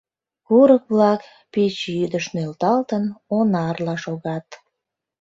Курык-влак, пич йӱдыш нӧлталтын, онарла шогат.